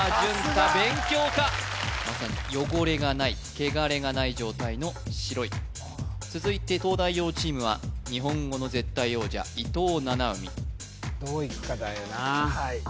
さすがまさに汚れがないけがれがない状態のしろい続いて東大王チームは日本語の絶対王者伊藤七海どういくかだよなはい